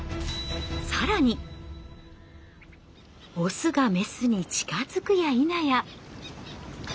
オスがメスに近づくやいなや。